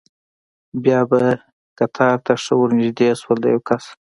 بیا به قطار ته ښه ور نږدې شول، د یو کس.